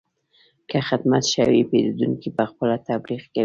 که خدمت ښه وي، پیرودونکی پخپله تبلیغ کوي.